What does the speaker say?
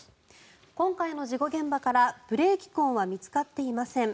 今回の事故現場からブレーキ痕は見つかっていません。